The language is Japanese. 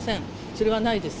それはないです。